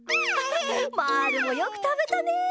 まぁるもよくたべたね。